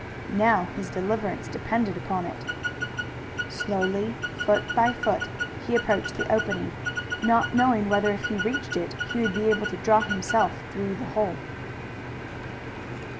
Now his deliverance depended upon it. Slowly, foot by foot, he approached the opening, not knowing whether if he reached it he would be able to draw himself through the hole.